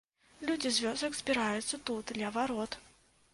Людзі з вёсак збіраюцца тут, ля варот.